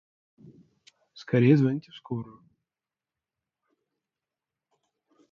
Скорей звоните в скорую!